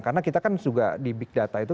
karena kita kan juga di big data itu